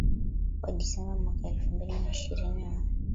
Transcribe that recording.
wa Disemba mwaka elfu mbili na ishirini wa